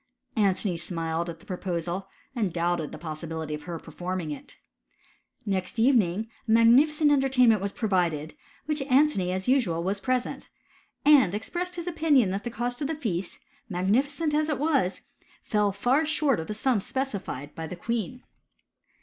Antony smiled at the proposal, and doubted the possibility of her performing it. Next evening ! a magnificent entertainment was provided, at which I Antony, as usual, was present, and expressed his opi iiion that the cost of the feast, magnificent as it was, fell far short of the sum specified by the queen.